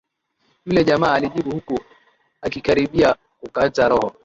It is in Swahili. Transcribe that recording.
Yule jamaa alijibu huku akikaribia kukata roho